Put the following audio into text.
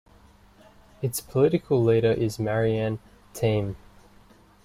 Its political leader is Marianne Thieme.